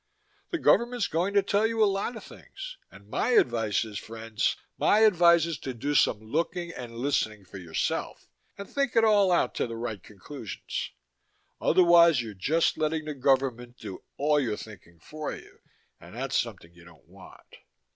The government's going to tell you a lot of things, and my advice is, friends, my advice is do some looking and listening for yourself and think it all out to the right conclusions. Otherwise you're just letting the government do all your thinking for you and that's something you don't want.